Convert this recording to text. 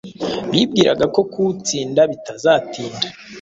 bibwiraga ko kuwutsinda bitazatinda